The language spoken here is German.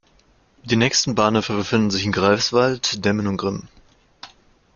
Die nächsten Bahnhöfe befinden sich in Greifswald, Demmin und Grimmen.